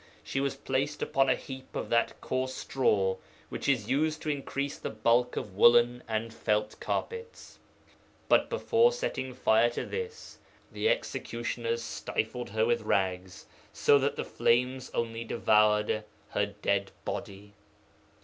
She was placed upon a heap of that coarse straw which is used to increase the bulk of woollen and felt carpets. But before setting fire to this, the executioners stifled her with rags, so that the flames only devoured her dead body.